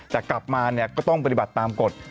แต่กลับมาก็ต้องปฏิบัติตามกฎ